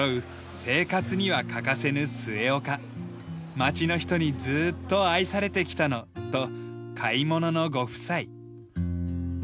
町の人にずーっと愛されてきたのと買い物のご夫妻。